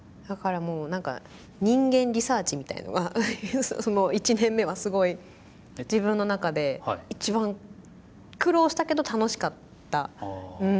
だからもうなんか人間リサーチみたいのが１年目はすごい自分の中で一番苦労したけど楽しかった。